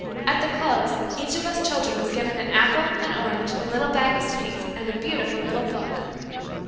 At the close, each of us children was given an apple, an orange, a little bag of sweets, and a beautiful little book."